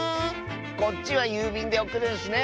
こっちはゆうびんでおくるんスね！